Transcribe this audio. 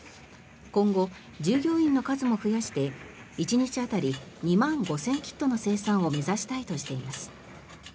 今後、従業員の数も増やして１日当たり２万５０００キットの生産を目指したいとしています。